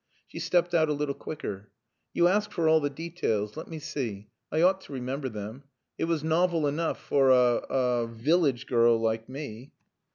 She stepped out a little quicker. "You ask for all the details. Let me see. I ought to remember them. It was novel enough for a a village girl like me."